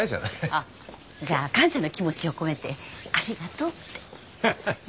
あっじゃあ感謝の気持ちを込めてありがとうって。ハハハ。